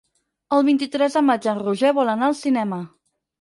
El vint-i-tres de maig en Roger vol anar al cinema.